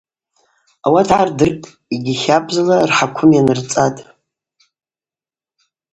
Ауат гӏардыртӏ йгьи хабзала рхӏаквым йанырцӏатӏ.